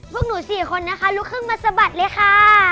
พวกหนู๔คนนะคะลุกขึ้นมาสะบัดเลยค่ะ